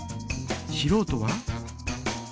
しろうとは？